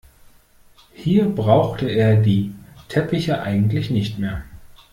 Hier brauchte er die Teppiche eigentlich nicht mehr.